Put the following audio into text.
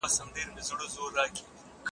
خپلو ماشومانو ته پښتو کیسې واوروئ.